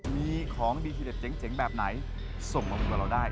มีของดีที่เจ๋งแบบไหนส่งมาบนตัวเราได้